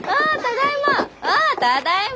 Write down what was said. ああただいま！